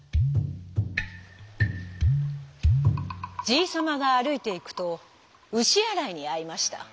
じいさまがあるいていくとうしあらいにあいました。